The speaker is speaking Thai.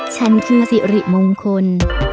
ฉันคือสิริมงคล